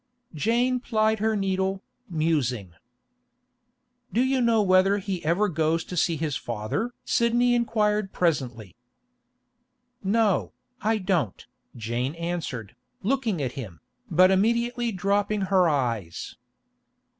Jane plied her needle, musing. 'Do you know whether he ever goes to see his father?' Sidney inquired presently. 'No, I don't,' Jane answered, looking at him, but immediately dropping her eyes.